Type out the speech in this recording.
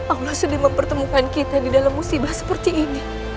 allah sedih mempertemukan kita di dalam musibah seperti ini